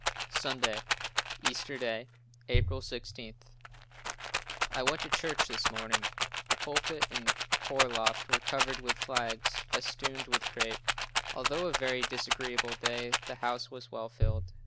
Sunday, Easter Day, April 16. I went to church this morning. The pulpit and choir loft were covered with flags festooned with crape. Although a very disagreeable day, the house was well filled.